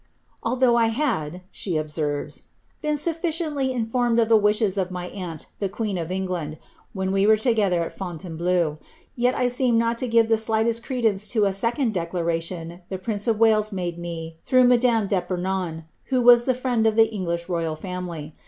^Although I had," ^ she observesi ^ been sufficiently informed of the wishes of my aunt, the qneen of England, when we were together at Fontainblcau, yet I seemed not to give the slightest credence to a second declaration the prince of Walei made me through madame d^Epernon, who was the friend of the Enf lish royal family.